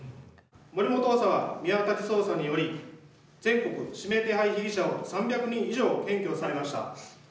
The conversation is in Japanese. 森本補佐はミアタリ捜査により全国指名手配被疑者を３００人以上検挙されました。